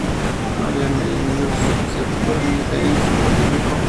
No había amerindios, asiáticos ni isleños del Pacífico.